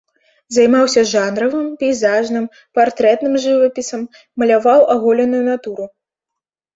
Займаўся жанравым, пейзажным, партрэтным жывапісам, маляваў аголеную натуру.